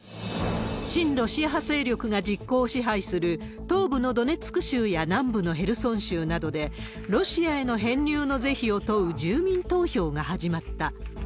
親ロシア派勢力が実効支配する東部のドネツク州や南部のヘルソン州などで、ロシアへの編入の是非を問う住民投票が始まった。